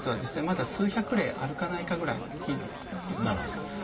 まだ数百例あるかないかぐらいの頻度だというふうになっています。